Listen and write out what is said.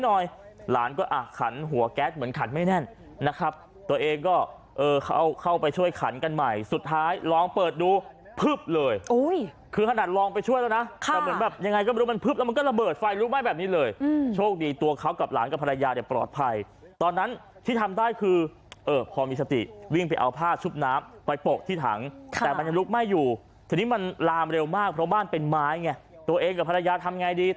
ช่วยแล้วนะค่ะแต่มันแบบยังไงก็ไม่รู้มันพึบแล้วมันก็ระเบิดไฟลุกไหม้แบบนี้เลยอืมโชคดีตัวเขากับหลานกับภรรยาเนี้ยปลอดภัยตอนนั้นที่ทำได้คือเออพอมีสติวิ่งไปเอาผ้าชุบน้ำไปปกที่ถังค่ะแต่มันยังลุกไม่อยู่ทีนี้มันลามเร็วมากเพราะบ้านเป็นไม้ไงตัวเองกับภรรยาทำไงดี